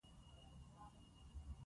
خلک درپسې ډیری گوزاروي.